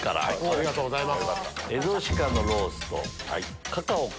ありがとうございます。